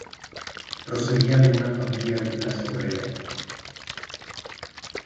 Procedía de una familia de clase obrera.